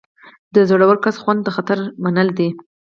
د زړور کس خوند د خطر منل دي.